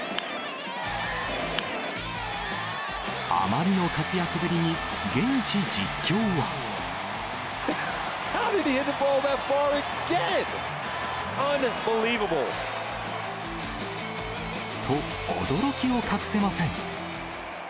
あまりの活躍ぶりに、現地実況は。と、驚きを隠せません。